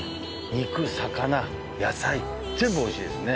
肉魚野菜全部おいしいですね。